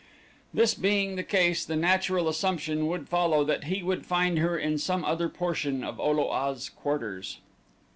This being the case the natural assumption would follow that he would find her in some other portion of O lo a's quarters.